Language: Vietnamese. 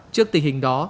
trước tình hình đó